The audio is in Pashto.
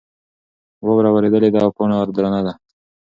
واوره ورېدلې ده او پاڼه درنه ده.